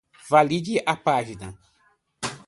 valide a página